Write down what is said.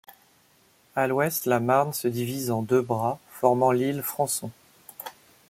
À l'ouest, la Marne se divise en deux bras, formant l'île Françon.